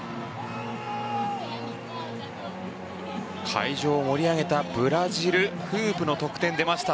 会場を盛り上げたブラジルフープの得点が出ました。